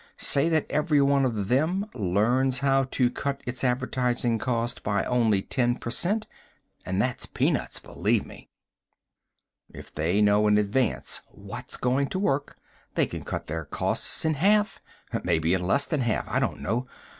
Say that every one of them learns how to cut its advertising cost by only ten per cent. And that's peanuts, believe me! "If they know in advance what's going to work, they can cut their costs in half maybe to less than half, I don't know.